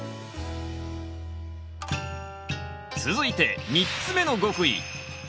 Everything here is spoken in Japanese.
続いて３つ目の極意